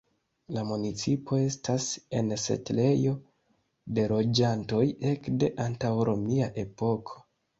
La municipo estas en setlejo de loĝantoj ekde antaŭromia epoko.